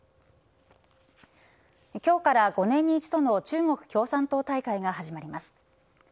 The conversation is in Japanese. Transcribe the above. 今日から５年に一度の中国共産党大会が始まります。